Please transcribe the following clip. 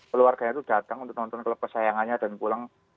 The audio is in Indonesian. keluarganya itu datang untuk nonton klub kesayangannya dan pulang